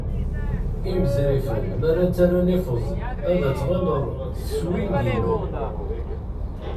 Imrifẓen mara ttarran ifeẓ, ad ttɣilleḍ swingimen.